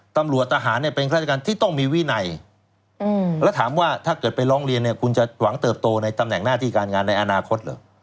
ตำรวจทหารเนี่ยเป็นข้าราชการที่ต้องมีวินัยแล้วถามว่าถ้าเกิดไปร้องเรียนเนี่ยคุณจะหวังเติบโตในตำแหน่งหน้าที่การงานในอนาคตเหรอ